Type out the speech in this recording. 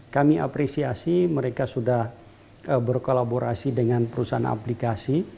kami apresiasi mereka sudah berkolaborasi dengan perusahaan aplikasi